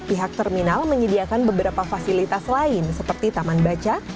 pihak terminal menyediakan beberapa fasilitas lain seperti taman baca